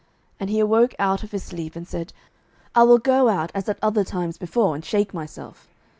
And he awoke out of his sleep, and said, I will go out as at other times before, and shake myself.